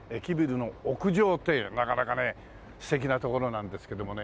なかなかね素敵な所なんですけどもね。